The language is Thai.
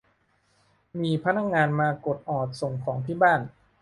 มีพนักงานมากดออดส่งของที่บ้าน